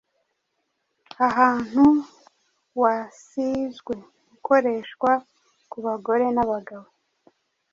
ahantu wasizwe. Ukoreshwa ku bagore n’abagabo.